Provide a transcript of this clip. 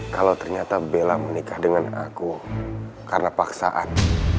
kalau ternyata bella menikah dengan aku karena paksaan